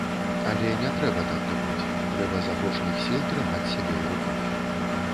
Але не трэба так думаць, трэба з апошніх сіл трымаць сябе ў руках.